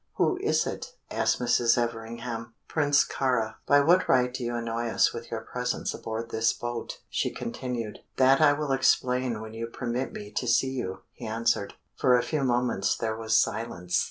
"Who is it?" asked Mrs. Everingham. "Prince Kāra." "By what right do you annoy us with your presence aboard this boat?" she continued. "That I will explain when you permit me to see you," he answered. For a few moments there was silence.